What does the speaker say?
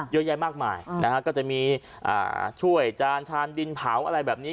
เยอะแยะมากมายนะฮะก็จะมีช่วยจานชานดินเผาอะไรแบบนี้